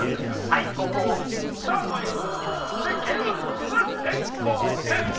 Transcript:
後攻さあということでございまして芸能人チームが先攻です